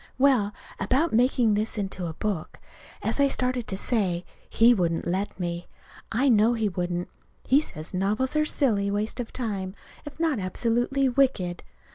Well, about making this into a book. As I started to say, he wouldn't let me. I know he wouldn't. He says novels are a silly waste of time, if not absolutely wicked.